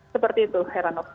seperti itu herano